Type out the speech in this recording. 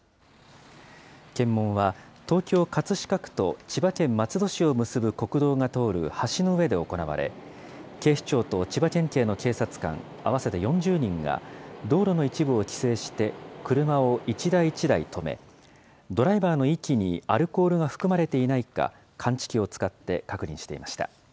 検問は、東京・葛飾区と千葉県松戸市を結ぶ国道が通る橋の上で行われ、警視庁と千葉県警の警察官合わせて４０人が、道路の一部を規制して、車を一台一台止め、ドライバーの息にアルコールが含まれていないか、感知器を使って確認していました。